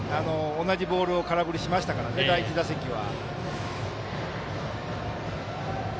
同じボールを空振りしましたからね第１打席は。